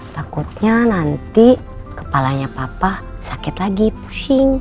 takutnya nanti kepalanya papa sakit lagi pusing